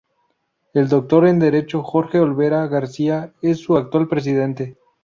El Doctor en Derecho Jorge Olvera García es su actual presidente.